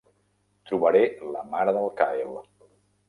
Trobaré la mare del Kyle.